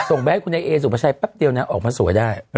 ส่งไปให้คุณให้เอสุปฉัยเปล่าเดียวออกมาสวยได้